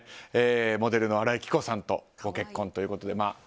モデルの新井貴子さんとご結婚ということで。